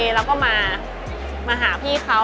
เราก็มามาหาพี่เขา